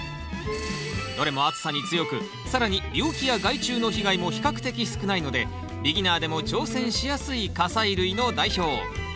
どれも暑さに強く更に病気や害虫の被害も比較的少ないのでビギナーでも挑戦しやすい果菜類の代表。